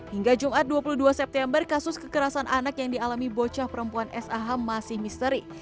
hingga jumat dua puluh dua september kasus kekerasan anak yang dialami bocah perempuan sah masih misteri